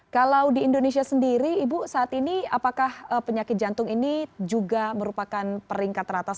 kalau di indonesia sendiri ibu saat ini apakah penyakit jantung ini juga merupakan peringkat teratas